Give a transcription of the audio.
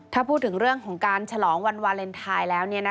ถ้าพูดถึงเรื่องของการฉลองวันวาเลนไทยแล้ว